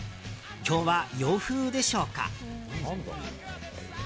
今日は洋風でしょうか？